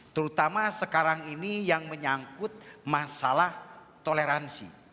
terutama sekarang ini yang menyangkut masalah toleransi